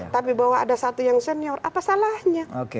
tapi bahwa ada satu yang senior apa salahnya